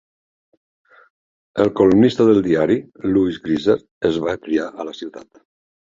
El columnista del diari Lewis Grizzard es va criar a la ciutat.